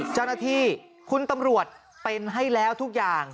เจ้าหน้าที่คุณตำรวจเป็นให้แล้วทุกอย่าง